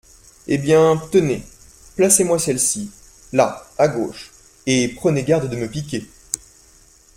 Eh bien… tenez… placez-moi celle-ci… là, à gauche… et prenez garde de me piquer.